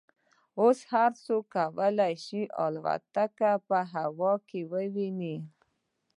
اوس هر څوک کولای شي الوتکې په هوا کې وویني